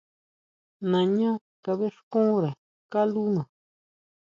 Nañá kabʼéxkunre kalúna.